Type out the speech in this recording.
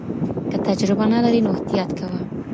که تجربه نه لرې نو احتیاط کوه.